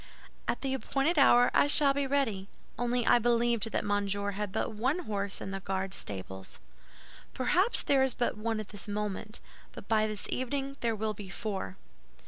"At the appointed hour I shall be ready; only I believed that Monsieur had but one horse in the Guard stables." "Perhaps there is but one at this moment; but by this evening there will be four."